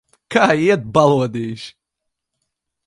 Kā iet, balodīši?